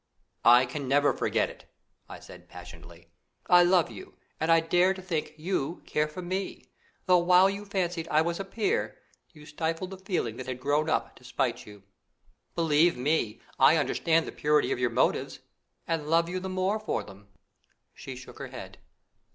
"I can never forget it!" I said passionately; "I love you; and I dare to think you care for me, though while you fancied I was a peer you stifled the feeling that had grown up despite you. Believe me, I understand the purity of your motives, and love you the more for them." She shook her head.